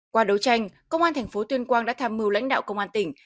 qua đấu tranh công an thành phố tuyên quang đã tham mưu lãnh đạo công an tỉnh